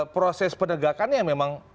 proses penegakannya memang